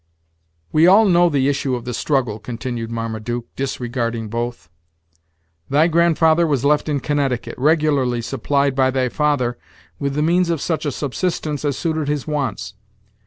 "We all know the issue of the struggle," continued Marmaduke, disregarding both. "Thy grandfather was left in Connecticut, regularly supplied by thy father with the means of such a subsistence as suited his wants.